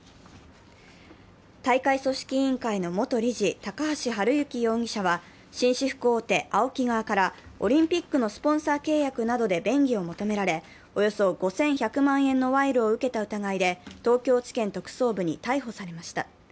大会組織委員会の元理事・高橋治之容疑者は、紳士服大手ＡＯＫＩ側からオリンピックのスポンサー契約などで便宜を求められ、およそ５１００万円の賄賂を受けた疑いで東京地検特捜部に逮捕されました。